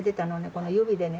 この指でね